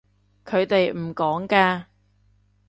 佢哋唔趕㗎